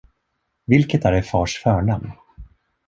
Vilket är er fars förnamn?